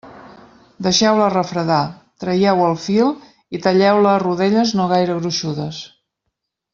Deixeu-la refredar, traieu el fil i talleu-la a rodelles no gaire gruixudes.